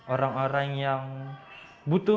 orang orang yang butuh